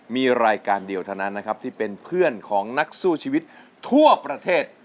มีรายการเดียวเท่านั้นนะครับที่เป็นเพื่อนของนักสู้ชีวิตทั่วประเทศ